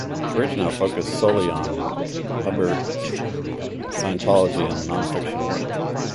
Bridge now focuses solely on Hubbard's Scientology and nonfiction works.